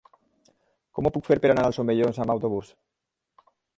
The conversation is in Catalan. Com ho puc fer per anar als Omellons amb autobús?